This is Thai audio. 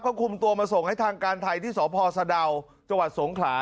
ก็คุมตัวมาส่งให้ทางการไทยที่สพสะดาวจังหวัดสงขลา